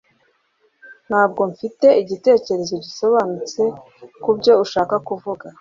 Ntabwo mfite igitekerezo gisobanutse kubyo ushaka kuvuga.